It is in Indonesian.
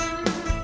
terima kasih cuk